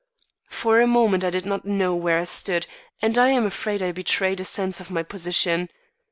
For a moment I did not know where I stood, and I am afraid I betrayed a sense of my position.